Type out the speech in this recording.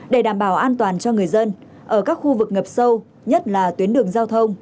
để đảm bảo an toàn cho người dân ở các khu vực ngập sâu nhất là tuyến đường giao thông